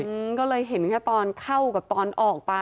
อืมก็เลยเห็นแค่ตอนเข้ากับตอนออกไป